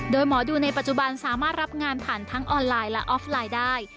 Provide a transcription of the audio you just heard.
โดยหมอดูในปัจจุบันสามารถรับงานผ่านทั้งออนไลน์และออฟไลน์ได้